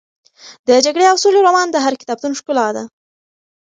د جګړې او سولې رومان د هر کتابتون ښکلا ده.